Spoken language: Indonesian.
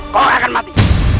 kau akan mati